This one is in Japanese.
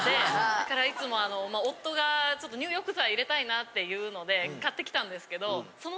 だからいつも夫が入浴剤入れたいなっていうので買ってきたんですけど。